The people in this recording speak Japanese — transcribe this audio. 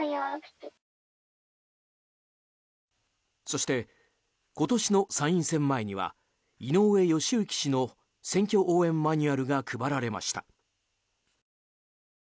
そして、今年の参院選前には井上義行氏の選挙応援マニュアルが配られました。